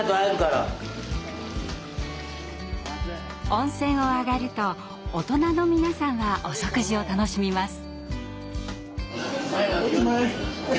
温泉を上がると大人の皆さんはお食事を楽しみます。